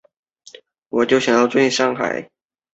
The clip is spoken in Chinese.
布鲁克山是美国阿拉巴马州下属的一座城市。